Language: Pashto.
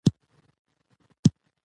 له کورنۍ سره اړیکه د فشار کموي.